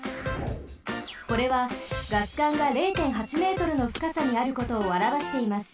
これはガス管が０．８Ｍのふかさにあることをあらわしています。